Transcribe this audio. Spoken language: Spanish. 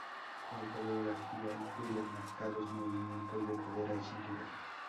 La coreografía incluye marcados movimientos de cadera y cintura.